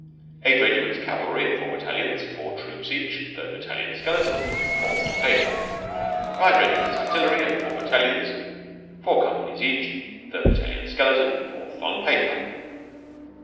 Eight regiments cavalry at four battalions, four troops each; third battalion, skeleton; fourth on paper. Five regiments artillery at four battalions, four companies each; third battalion, skeleton; fourth on paper.